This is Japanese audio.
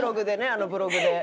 あのブログで。